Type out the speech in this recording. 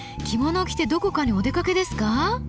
着物を着てどこかにお出かけですか？